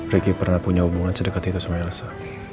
ricky pernah punya hubungan sedekat itu sama elsa